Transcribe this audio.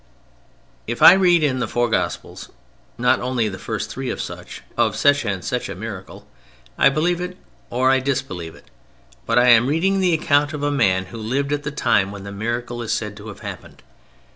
If I read in the four Gospels (not only the first three) of such and such a miracle, I believe it or I disbelieve it. But I am reading the account of a man who lived at the time when the miracle is said to have happened.